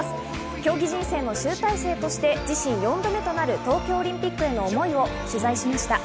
競技人生の集大成として自身４度目となる東京オリンピックへの思いを取材しました。